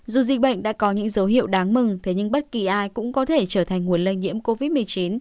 dù dịch bệnh đã có những dấu hiệu đáng mừng thế nhưng bất kỳ ai cũng có thể trở thành nguồn lây nhiễm covid một mươi chín